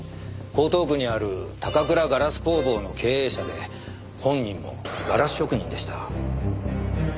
江東区にある高倉ガラス工房の経営者で本人もガラス職人でした。